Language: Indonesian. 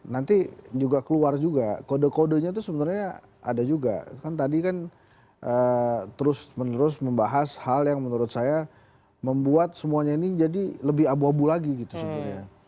nanti juga keluar juga kode kodenya itu sebenarnya ada juga kan tadi kan terus menerus membahas hal yang menurut saya membuat semuanya ini jadi lebih abu abu lagi gitu sebenarnya